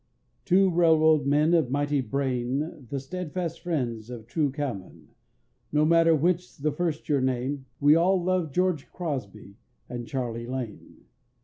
Two railroad men of mighty brain, The steadfast friends of true cowmen; No matter which the first you name, We all love George Crosby and Charlie Lane.